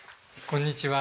こんにちは。